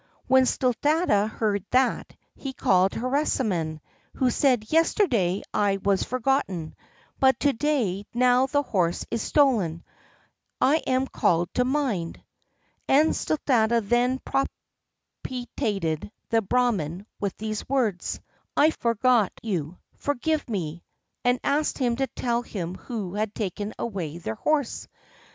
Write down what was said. When Sthuladatta heard that, he called Harisarman, who said, "Yesterday I was forgotten, but to day, now the horse is stolen, I am called to mind," and Sthuladatta then propitiated the Brahman with these words, "I forgot you, forgive me," and asked him to tell him who had taken away their horse.